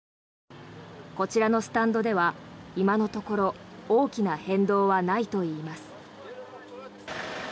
こちらのスタンドでは今のところ大きな変動はないといいます。